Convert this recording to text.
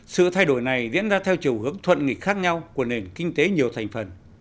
sự thay đổi này diễn ra theo chiều hướng thuận nghịch khác nhau của nền kinh tế nhiều thành phần